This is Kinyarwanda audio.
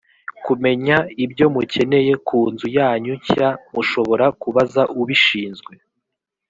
kumenya ibyo mukeneye ku nzu yanyu nshya mushobora kubaza ubishinzwe